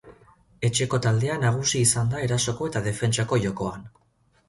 Etxeko taldea nagusi izan da erasoko eta defentsako jokoan.